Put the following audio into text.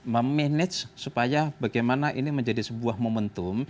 memanage supaya bagaimana ini menjadi sebuah momentum